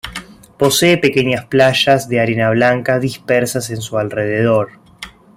Posee pequeñas playas de arena blanca dispersas en su alrededor.